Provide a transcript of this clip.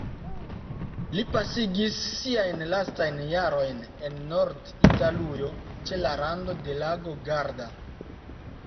Li pasigis siajn lastajn jarojn en Nord-Italujo ĉe la rando de lago Garda.